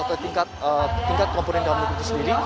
atau tingkat komponen dalam negeri itu sendiri